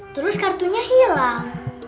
terus kartunya hilang